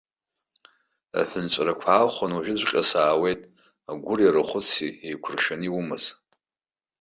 Аҳәынҵәрақәа аахәаны уажәыҵәҟьа саауеит, агәыри арахәыци еиқәыршәаны иумаз.